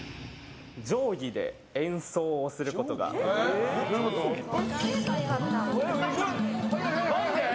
定規で演奏をすることができます。